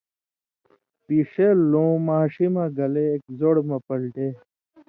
پیݜیلوۡ لُوں ماݜی مہ گلے ایک زوڑہۡ مہ پلٹے